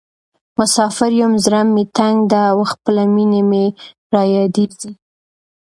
مسافر یم زړه مې تنګ ده او خپله مینه مې رایادیزې.